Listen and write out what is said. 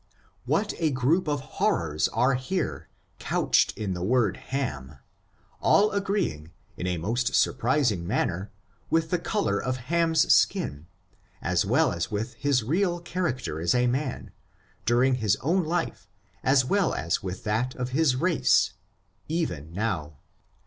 What a group of horrors are here, couched in the word Ham, all agreeing, in a most surprising man ner, with the color of Ham's skin, as well as with his real character as a man, during his own life, as well as with that of his race, even now.